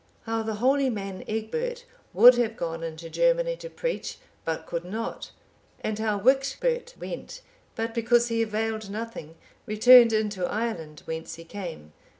How the holy man, Egbert, would have gone into Germany to preach, but could not; and how Wictbert went, but because he availed nothing, returned into Ireland, whence he came.